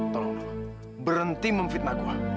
tolong dong berhenti memfitnah gue